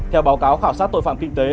theo báo cáo khảo sát tội phạm kinh tế